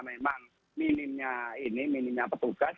memang minimnya ini minimnya petugas